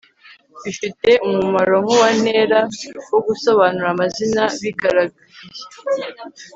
bifite umumaro nk uwa ntera wo gusobanura amazina bigaragiye